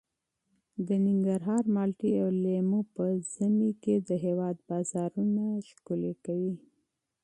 د ننګرهار مالټې او لیمو په ژمي کې د هېواد بازارونه رنګینوي.